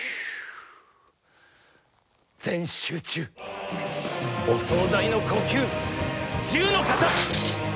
全集中お総菜の呼吸拾ノ型！